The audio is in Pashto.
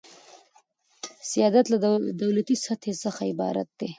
سیادت له دولتي سلطې څخه عبارت دئ.